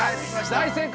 ◆大正解。